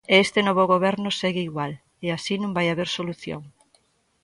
E este novo goberno segue igual, e así non vai haber solución.